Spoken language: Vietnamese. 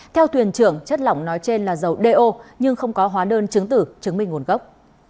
theo tuyển trưởng chất lỏng nói trên là dầu do nhưng không có hóa đơn chứng tử chứng minh nguồn gốc